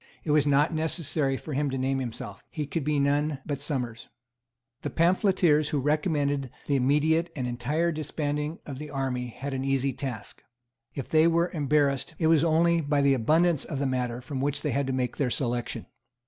It was not necessary for him to name himself. He could be none but Somers. The pamphleteers who recommended the immediate and entire disbanding of the army had an easy task. If they were embarrassed, it was only by the abundance of the matter from which they had to make their selection.